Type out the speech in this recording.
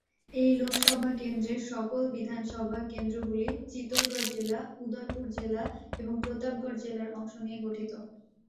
এই লোকসভা কেন্দ্রের সকল বিধানসভা কেন্দ্রগুলি চিতোরগড় জেলা, উদয়পুর জেলা এবং প্রতাপগড় জেলার অংশ নিয়ে গঠিত।